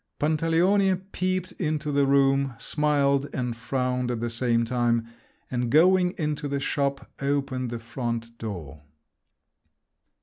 Pantaleone peeped into the room, smiled and frowned at the same time, and going into the shop, opened the front door.